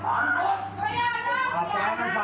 หลอนหนึ่งนะคะเป็นยาเสพติดเฏ็ดสำคัญนะฮะ